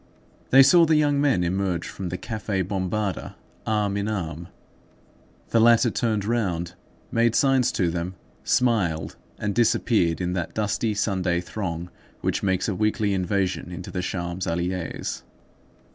They saw the young men emerge from the Café Bombarda arm in arm. The latter turned round, made signs to them, smiled, and disappeared in that dusty Sunday throng which makes a weekly invasion into the Champs Élysées.